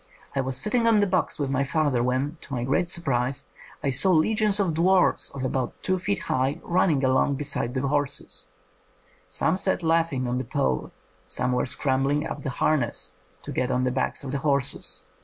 I was sitting on the box with my father when, to my great surprise, I saw legions of dwarfs of about two feet high running along beside the horses; some sat laughing on the pole, some were scrambling up the harness to get on the backs of the horses.